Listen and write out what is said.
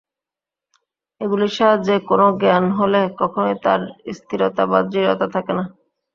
এগুলির সাহায্যে কোন জ্ঞান হলে কখনই তার স্থিরতা বা দৃঢ়তা থাকে না।